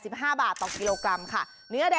ชั่วตลอดตลาด